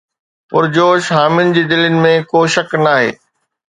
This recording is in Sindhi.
پرجوش حامين جي دلين ۾ ڪو شڪ ناهي